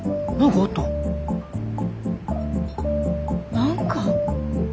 何か？